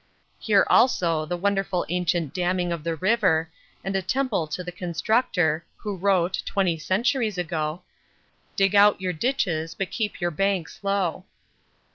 Here also the wonderful ancient damming of the river, and a temple to the constructor, who wrote, twenty centuries ago, 'dig out your ditches, but keep your banks low.'